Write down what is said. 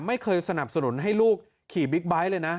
ไม่เคยสนับสนุนให้ลูกขี่บิ๊กไบท์เลยนะ